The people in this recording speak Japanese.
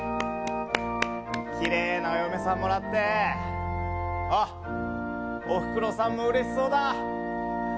きれいなお嫁さんもらって、あっ、おふくろさんもうれしそうだー。